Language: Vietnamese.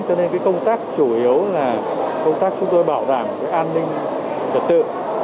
cho nên công tác chủ yếu là công tác chúng tôi bảo đảm an ninh trật tự